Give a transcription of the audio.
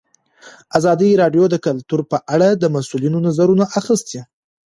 ازادي راډیو د کلتور په اړه د مسؤلینو نظرونه اخیستي.